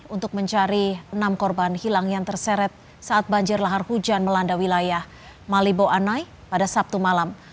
untuk mencari enam korban hilang yang terseret saat banjir lahar hujan melanda wilayah malibo anai pada sabtu malam